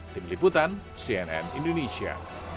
tim liputan cnn indonesia